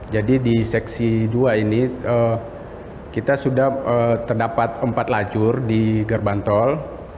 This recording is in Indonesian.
jadi di seksi dua ini kita sudah terdapat empat lajur di gerbang tol